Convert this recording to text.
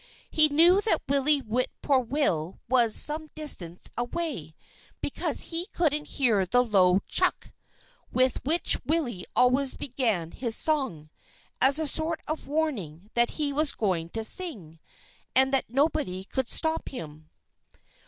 He knew that Willie Whip poor will was some distance away, because he couldn't hear the low "chuck!" with which Willie always began his song, as a sort of warning that he was going to sing, and that nobody could stop him.